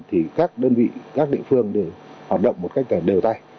thì các đơn vị các địa phương đều hoạt động một cách đều tay